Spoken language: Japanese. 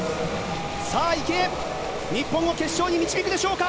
さあ、池江日本を決勝に導くでしょうか。